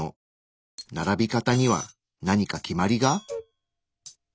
並び方には何か決まりが？